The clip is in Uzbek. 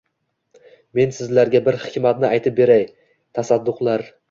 Men sizlarga bir hikmatni aytib beray, tasadduqlar.